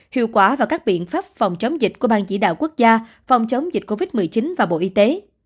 hiệu quả và các biện pháp phòng chống dịch của bang chỉ đạo quốc gia phòng chống dịch covid một mươi chín và bộ y tế